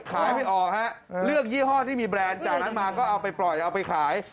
ไม่ออกฮะเลือกยี่ห้อที่มีแบรนด์จากนั้นมาก็เอาไปปล่อยเอาไปขาย